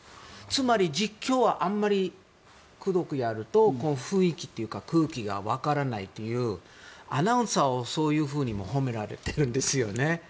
つまり、実況はあまりくどくやると雰囲気というか空気がわからないというアナウンサーをそういうふうにも褒められているんですよね。